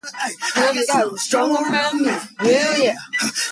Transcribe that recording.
One of his more well reputed translations was that of the Lotus Sutra.